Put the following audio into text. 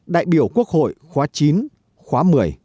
đại biểu quốc hội khóa chín khóa một mươi